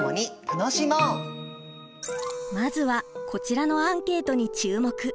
まずはこちらのアンケートに注目！